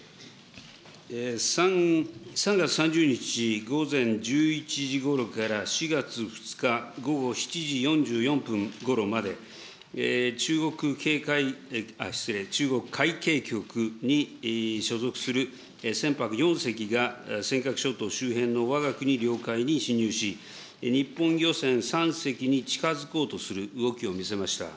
３月３０日午前１１時ごろから４月２日午後７時４４分ごろまで、中国警戒、失礼、中国海警局に所属する船舶４隻が、尖閣諸島周辺のわが国領海に侵入し、日本漁船３隻に近づこうとする動きを見せました。